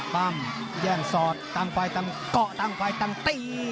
ปั้มแย่งสอดต่างฝ่ายต่างเกาะต่างฝ่ายต่างตี